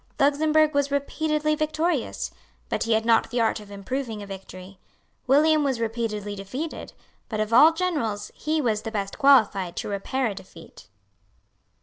Luxemburg was repeatedly victorious; but he had not the art of improving a victory. William was repeatedly defeated; but of all generals he was the best qualified to repair a defeat.